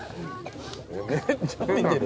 めっちゃ見てる。